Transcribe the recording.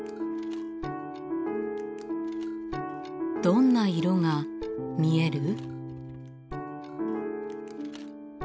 どんな色が見える？